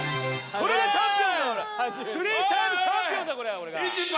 これがチャンピオンだ！